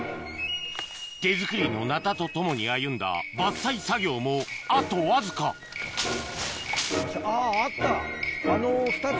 手作りのナタとともに歩んだ伐採作業もあとわずかあぁあった。